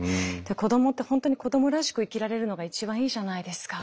子どもって本当に子どもらしく生きられるのが一番いいじゃないですか。